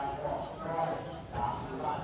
สวัสดีครับคุณผู้ชาย